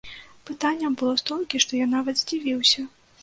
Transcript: Пытанняў было столькі, што я нават здзівіўся.